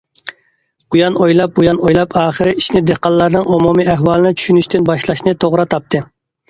ئۇيان ئويلاپ، بۇيان ئويلاپ، ئاخىرى ئىشنى دېھقانلارنىڭ ئومۇمىي ئەھۋالىنى چۈشىنىشتىن باشلاشنى توغرا تاپتى.